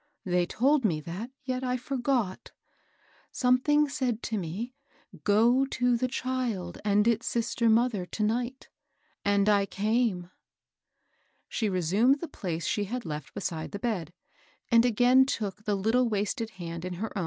they told me that ; yet I forgot ! Some thing said to me, ' Go to the child and its sister mother to night,' — and I came." She resumed the place she had left beside the bedj and again took iW ViXXXa >N^i^d hand in her THE WOLF AT THE DOOR.